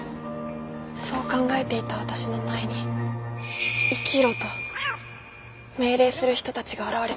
そう考えていた私の前に生きろと命令する人たちが現れたんです。